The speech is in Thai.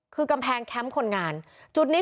คือกำแพงแคมป์คนงานจุดนี้